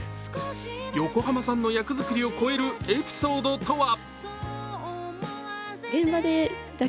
横浜さんの役づくりを超えるエピソードとは？